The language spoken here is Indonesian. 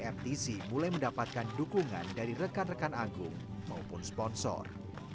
mtc mulai mendapatkan dukungan dari rekan rekan agung maupun sponsor